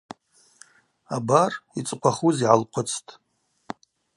Абар, йцӏыхъвахуз йгӏалхъвыцтӏ.